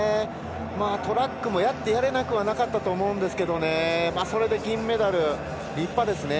トラックもやってやれなくはなかったと思いますけどそれで銀メダル、立派ですね。